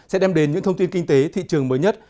sẽ đem đến những thông tin kinh tế thị trường mới nhất